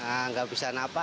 nah tidak bisa apa apa